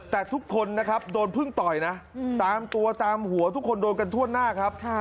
แต่ทุกคนนะครับโดนพึ่งต่อยนะตามตัวตามหัวทุกคนโดนกันทั่วหน้าครับ